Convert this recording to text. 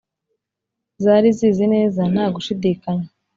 zari zizi neza ntagushidikanya,